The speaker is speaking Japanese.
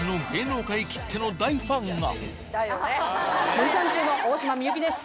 森三中の大島美幸です